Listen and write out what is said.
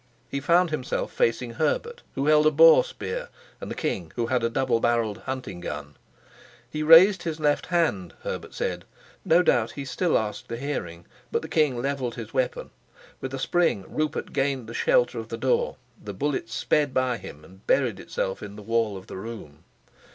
He found himself facing Herbert, who held a boar spear, and the king, who had a double barreled hunting gun. He raised his left hand, Herbert said no doubt he still asked a hearing but the king leveled his weapon. With a spring Rupert gained the shelter of the door, the bullet sped by him, and buried itself in the wall of the room.